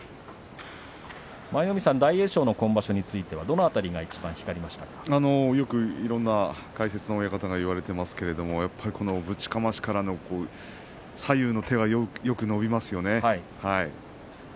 舞の海さん大栄翔の今後についてはいろいろな解説の親方が言っていますがぶちかましからの左右の手がよく伸びますよね。